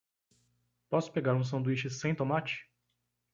Posso pegar um sanduíche sem tomate?